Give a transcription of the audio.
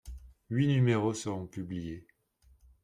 Huit numéros seront publiés.